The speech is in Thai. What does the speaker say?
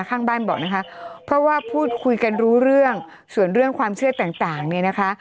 ข้างบ้านบอกนะคะเพราะว่าพูดคุยกันรู้เรื่องส่วนเรื่องความเชื่อต่างเนี่ยนะคะ